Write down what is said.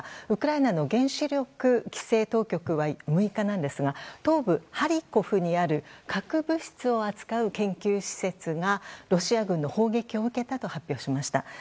ウクライナの原子力規制当局は６日、東部ハリコフにある核物質を扱う研究施設がロシア軍の砲撃を受けたと発表しました。